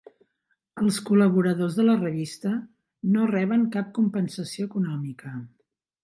Els col·laboradors de la revista no reben cap compensació econòmica.